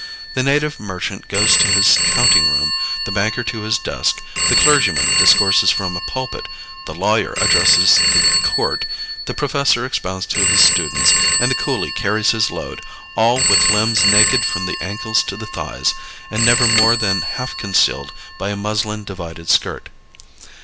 The native merchant goes to his counting room, the banker to his desk, the clergyman discourses from a pulpit, the lawyer addresses the court, the professor expounds to his students and the coolie carries his load, all with limbs naked from the ankles to the thighs, and never more than half concealed by a muslin divided skirt.